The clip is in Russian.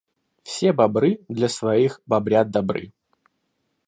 Все бобры для своих бобрят добры.